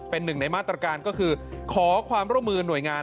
เป็นหนึ่งในมาตรการก็คือขอความร่วมมือหน่วยงาน